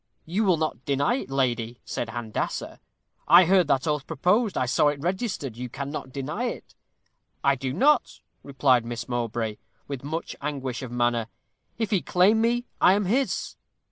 'You will not deny it, lady,' said Handassah. 'I heard that oath proposed. I saw it registered. You cannot deny it.' 'I do not,' replied Miss Mowbray, with much anguish of manner; 'if he claim me, I am his.'